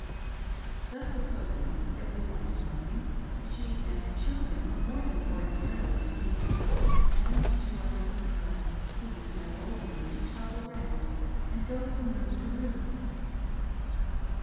Thus supposing that we wanted nothing, she and her children were more than ordinarily kind to us and to our little girl, who was now old enough to toddle round and go from room to room.